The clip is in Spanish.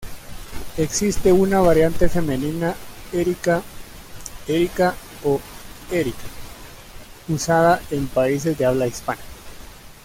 Existe una variante femenina Erica, Erika o Érica, usada en países de habla hispana.